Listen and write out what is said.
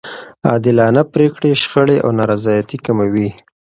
عادلانه پرېکړې شخړې او نارضایتي کموي.